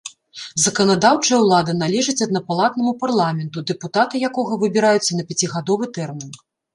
Заканадаўчая ўлада належыць аднапалатнаму парламенту, дэпутаты якога выбіраюцца на пяцігадовы тэрмін.